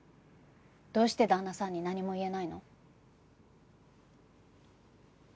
どうして旦那さんに何も言えないの？